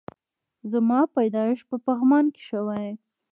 زما پيدايښت په پغمان کی شوي